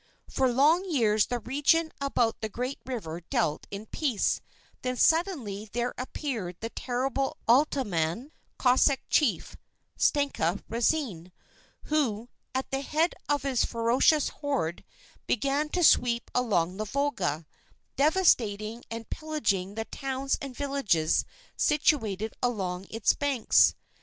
For long years the region about the great river dwelt in peace; then suddenly there appeared the terrible Ataman [Cossack chief] Stenka Râzine, who, at the head of his ferocious horde, began to sweep along the Volga, devastating and pillaging the towns and villages situated along its banks.